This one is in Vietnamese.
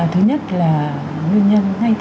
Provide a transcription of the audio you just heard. thứ nhất là nguyên nhân ngay từ